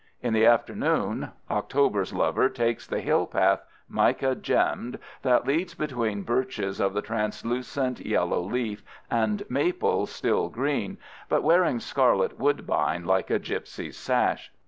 In the afternoon October's lover takes the hill path, mica gemmed, that leads between birches of the translucent yellow leaf and maples still green but wearing scarlet woodbine like a gypsy's sash.